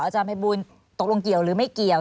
อาจารภัยบูลตกลงเกี่ยวหรือไม่เกี่ยว